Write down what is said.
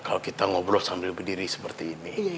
kalau kita ngobrol sambil berdiri seperti ini